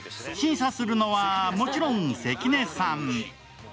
審査するのはもちろん関根さん。